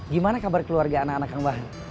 gimana kabar keluarga anak anak kang bahar